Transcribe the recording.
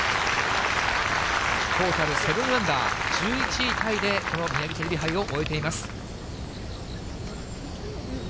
トータル７アンダー、１１位タイでこのミヤギテレビ杯を終えています。